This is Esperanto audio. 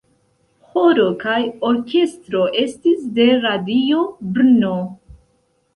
Ĥoro kaj orkestro estis de Radio Brno.